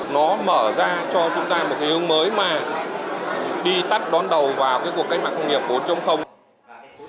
nó mở ra cho chúng ta một cái hướng mới mà đi tắt đón đầu vào cái cuộc cách mạng công nghiệp bốn